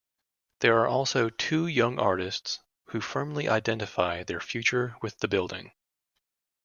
There are also two young artists who firmly identify their future with the building.